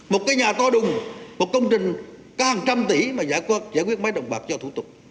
một cái nhà to đùng một công trình có hàng trăm tỷ mà giải quyết máy động bạc cho thủ tục